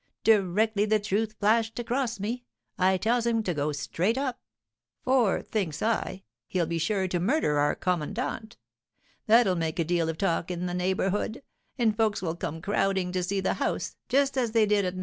Directly the truth flashed across me, I tells him to go straight up; for, thinks I, he'll be sure to murder our commandant. That'll make a deal of talk in the neighbourhood; and folks will come crowding to see the house, just as they did at No.